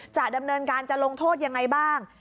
จะดำเนินการจะลงโทษยังไงบ้าง